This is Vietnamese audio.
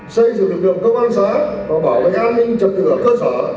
xây dựng lực lượng cơ quan xã và bảo vệ an ninh trật tựa cơ sở